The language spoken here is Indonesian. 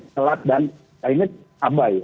telat dan akhirnya abai